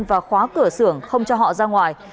và khóa cửa xưởng không cho họ ra ngoài